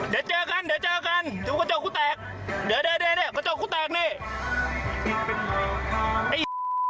เดี๋ยวเจอกันเดี๋ยวเจอกันดูกระจกกูแตกเดี๋ยวกระจกกูแตกนี่